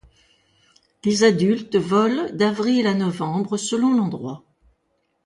Les adultes volent d'avril à novembre, selon l'endroit.